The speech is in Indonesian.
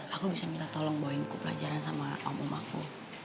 aku bisa minta tolong bawain ku pelajaran sama om om aku